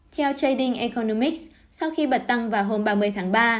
theo trading economics sau khi bật tăng vào hôm ba mươi tháng ba